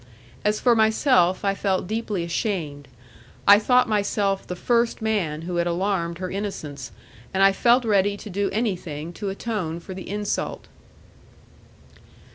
As for myself, I felt deeply ashamed. I thought myself the first man who had alarmed her innocence, and I felt ready to do anything to atone for the insult.